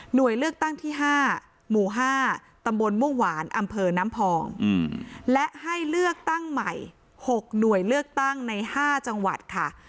โดยเลือกตั้งที่๕หมู่๕ตำบลม่วงหวานอำเภอน้ำพองและให้เลือกตั้งใหม่๖หน่วยเลือกตั้งใน๕จังหวัดค่ะ